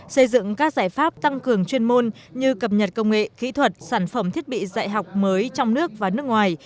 xây dựng các giải pháp tăng cường chuyên môn như cập nhật công nghệ kỹ thuật sản phẩm thiết bị dạy học mới trong nước và nước ngoài